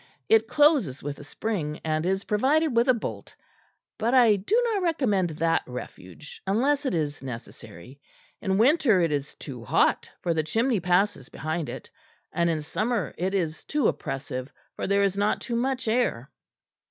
It closes with a spring, and is provided with a bolt. But I do not recommend that refuge unless it is necessary. In winter it is too hot, for the chimney passes behind it; and in summer it is too oppressive, for there is not too much air."